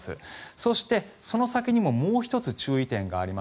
そして、その先にももう１つ注意点があります。